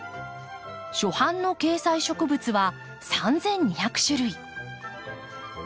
初版の掲載植物は３，２００種類。